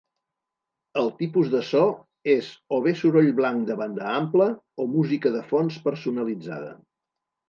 El tipus de so és o bé soroll blanc de banda ampla o música de fons personalitzada.